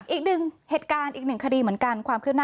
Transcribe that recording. อีก๑เหตุการณ์อีก๑คดีเหมือนกัน